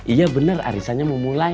iya benar arisannya mau mulai